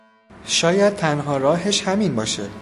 شاید تنها راهش همین باشه.